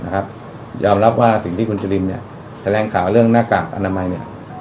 ยามรับสิ่งที่คุณจุดินแถลงข่าวเรื่องละหน้ากากอนามัย